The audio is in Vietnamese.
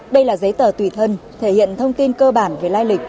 đây là giấy tờ tùy thân thể hiện thông tin cơ bản về lai lịch